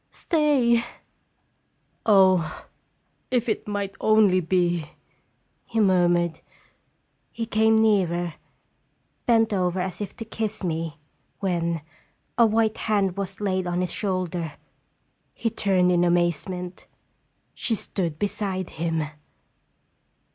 Stay!" "Oh, if it might only be !" he murmured. He came nearer, bent over as if to kiss me, when a white hand was laid on his shoulder. He turned in amazement. She stood beside him.